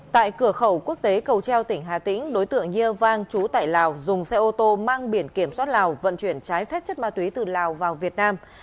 tại cửa khẩu quốc tế cầu treo tỉnh hà tĩnh đối tượng ya vang chú tại lào dùng xe ô tô mang biển kiểm soát lào vận chuyển trái phép chất ma túy từ lào vào việt nam